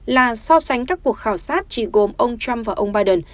là so sánh các cuộc khảo sát chỉ gồm ông trump và ông biden